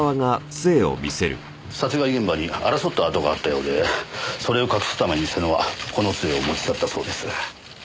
殺害現場に争った跡があったようでそれを隠すために瀬野はこの杖を持ち去ったそうです。